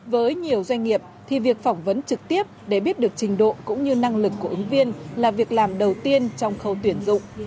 với nhiều doanh nghiệp thì việc phỏng vấn trực tiếp để biết được trình độ cũng như năng lực của ứng viên là việc làm đầu tiên trong khâu tuyển dụng